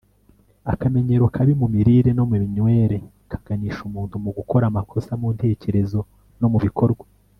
akamenyero kabi mu mirire no mu minywere kaganisha umuntu mu gukora amakosa mu ntekerezo no mu bikorwa